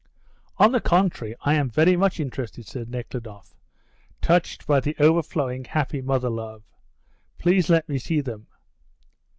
"On the contrary, I am very much interested," said Nekhludoff, touched by this overflowing, happy mother love. "Please let me see them."